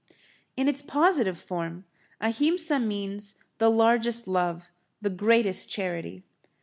In its positive form, Ahimsa means the largest love, the greatest charity.